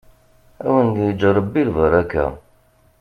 Ad awen-d-yeǧǧ ṛebbi lbaṛaka.